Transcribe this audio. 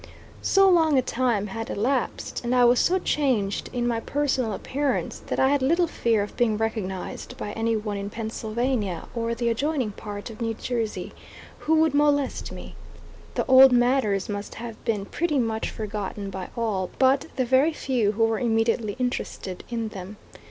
So long a time had elapsed and I was so changed in my personal appearance that I had little fear of being recognized by any one in Pennsylvania or the adjoining part of New Jersey, who would molest me. The old matters must have been pretty much forgotten by all but the very few who were immediately interested in them.